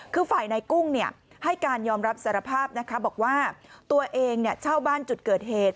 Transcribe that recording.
คือฝ่ายนายกุ้งให้การยอมรับสารภาพนะคะบอกว่าตัวเองเช่าบ้านจุดเกิดเหตุ